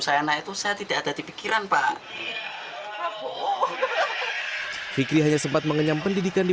saya naik itu saya tidak ada di pikiran pak prabowo fikri hanya sempat mengenyam pendidikan di